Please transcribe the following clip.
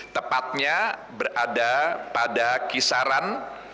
tepatnya berada pada kisaran